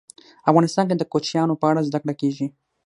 افغانستان کې د کوچیانو په اړه زده کړه کېږي.